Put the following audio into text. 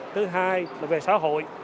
thứ hai là về xã hội